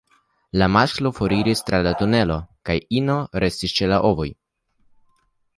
La masklo foriras tra la tunelo, kaj la ino restas ĉe la ovoj.